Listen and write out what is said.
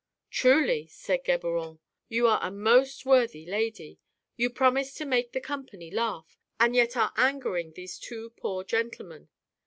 "Truly," said Geburon, "you are a most worthy lady ! You promised to make the company laugh, and yet are angering these two poor gentlemen."